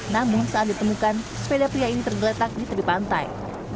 namun saat ditemukan sepeda pria ini tergeletak di tepi pantai